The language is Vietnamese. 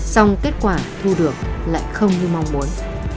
xong kết quả thu được lại không như mong muốn